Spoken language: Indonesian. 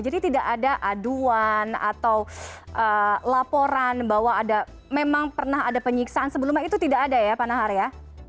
jadi tidak ada aduan atau laporan bahwa ada memang pernah ada penyiksaan sebelumnya itu tidak ada ya panahar ya